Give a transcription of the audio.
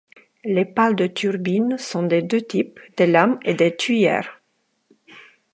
Les pales de turbines sont de deux types, des lames et des tuyères.